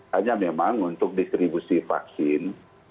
hanya memang untuk distribusi vaksin